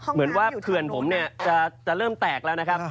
เหมือนว่าเขื่อนผมเนี่ยจะเริ่มแตกแล้วนะครับ